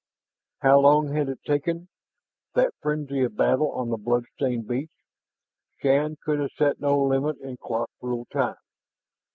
How long had it taken that frenzy of battle on the bloodstained beach? Shann could have set no limit in clock ruled time.